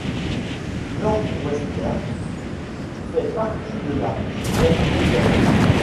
Northwestern fait partie de la Big Ten Conference.